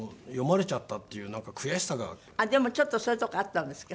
でもちょっとそういうとこあったんですか？